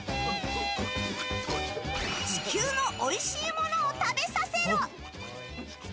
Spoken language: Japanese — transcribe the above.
地球のおいしいものを食べさせろ！